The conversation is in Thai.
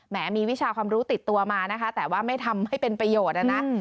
มีวิชาความรู้ติดตัวมานะคะแต่ว่าไม่ทำให้เป็นประโยชน์นะ